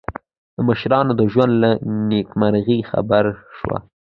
د مشرانو د ژوند له نېکمرغیو خبر شو.